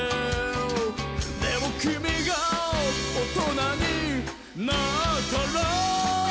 「でもきみがおとなになったら」